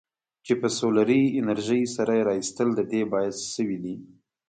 چې په سولري انرژۍ سره یې رایستل د دې باعث شویدي.